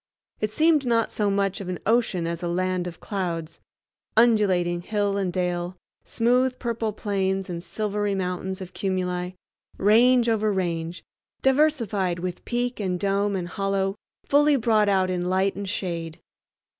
It seemed not so much an ocean as a land of clouds—undulating hill and dale, smooth purple plains, and silvery mountains of cumuli, range over range, diversified with peak and dome and hollow fully brought out in light and shade.